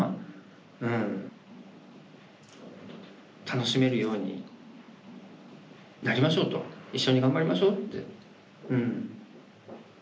「楽しめるようになりましょう」と「一緒に頑張りましょう」ってうん。